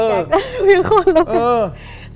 พี่คุณแล้วเป็น